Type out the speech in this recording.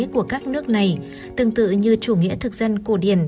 của các nước này tương tự như chủ nghĩa thực dân cổ điển